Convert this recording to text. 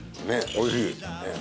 おいしい。